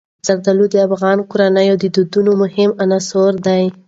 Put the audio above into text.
زردالو د افغان کورنیو د دودونو مهم عنصر دی.